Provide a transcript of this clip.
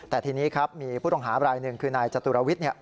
แต่ทีนี้ครับมีผู้ต้องหารายหนึ่งคือนายจตุรวิทย์